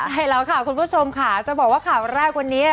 ใช่แล้วค่ะคุณผู้ชมค่ะจะบอกว่าข่าวแรกวันนี้